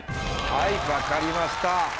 はい分かりました。